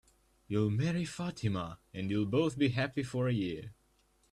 You'll marry Fatima, and you'll both be happy for a year.